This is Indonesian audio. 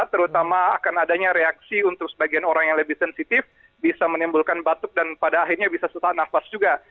terutama akan adanya reaksi untuk sebagian orang yang lebih sensitif bisa menimbulkan batuk dan pada akhirnya bisa sesak nafas juga